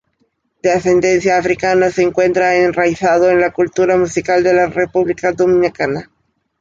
De ascendencia africana se encuentra enraizado en la cultura musical de la República Dominicana.